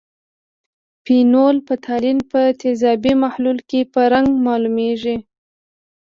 فینول فتالین په تیزابي محلول کې په رنګ معلومیږي.